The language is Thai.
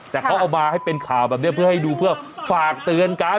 แต่เขาเอามาให้เป็นข่าวแบบนี้เพื่อให้ดูเพื่อฝากเตือนกัน